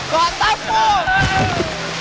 เกาะตะปู